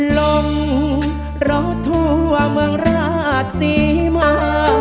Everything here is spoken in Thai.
ล้อมรถทั่วเมืองราชสีมา